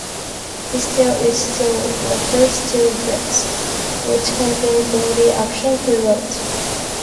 This tale is told in the first two books, which contain bloody action throughout.